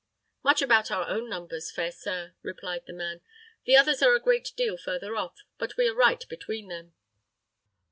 "Much about our own numbers, fair sir," replied the man. "The others are a great deal further off; but we are right between them."